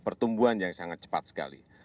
pertumbuhan yang sangat cepat sekali